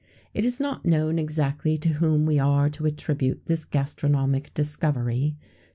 It is not known exactly to whom we are to attribute this gastronomic discovery.